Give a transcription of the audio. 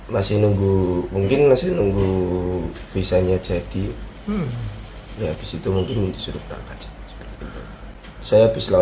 masih nunggu mungkin masih nunggu visanya jadi habis itu mungkin disuruh berangkat saya bisa